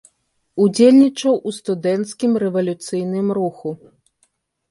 Удзельнічаў у студэнцкім рэвалюцыйным руху.